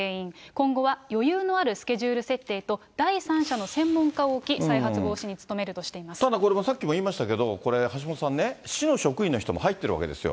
今後は余裕のあるスケジュール設定と第三者の専門家を置き、再発ただこれもさっきも言いましたけど、これ、橋下さんね、市の職員の人も入ってるわけですよ。